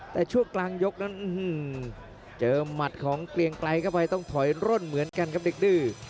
แต่ช่วงกลางยกนั้นเจอหมัดของเกลียงไกลเข้าไปต้องถอยร่นเหมือนกันครับเด็กดื้อ